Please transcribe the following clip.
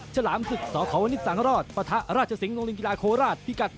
ฉลามศึกสควรวนิษฐ์สางรอดประทะราชสิงห์โรงเรียนกีฬาโคราชที่กัด๑๓๒ปอนด์